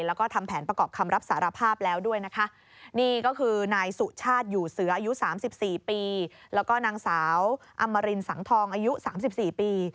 แล้วอำมารินสังทองอายุ๓๔ปี